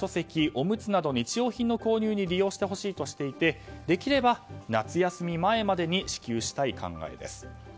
おむつなど日用品の購入に利用してほしいとしていてできれば夏休み前までに支給したい考えです。